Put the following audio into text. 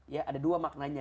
ya ada dua maknanya